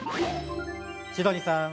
千鳥さん